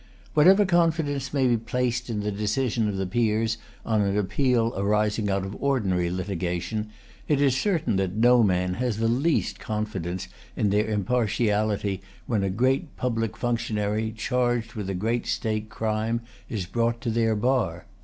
Whatever confidence may be placed in the decision of the Peers on an appeal arising out of ordinary litigation, it is certain that no man has the least confidence in their impartiality when a great public functionary, charged with a great state crime, is brought to their bar.